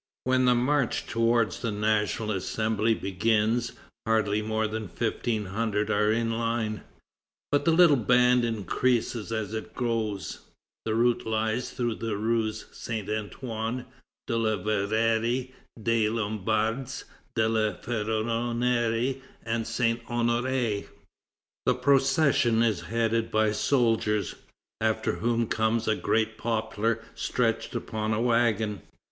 When the march toward the National Assembly begins, hardly more than fifteen hundred are in line. But the little band increases as it goes. The route lies through rues Saint Antoine, de la Verrerie, des Lombards, de la Ferronnerie, and Saint Honoré. The procession is headed by soldiers, after whom comes a great poplar stretched upon a wagon.